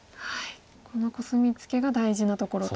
このコスミツケが大事なところと。